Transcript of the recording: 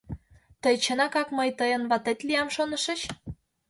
Тый, чынакак, мый тыйын ватет лиям, шонышыч?